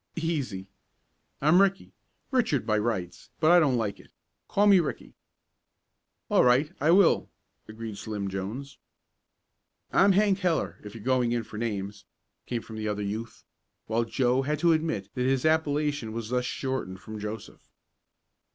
"Easy. I'm Ricky Richard by rights, but I don't like it. Call me Ricky." "All right, I will," agreed Slim Jones. "I'm Hank Heller, if you're going in for names," came from the other youth, while Joe had to admit that his appellation was thus shortened from Joseph.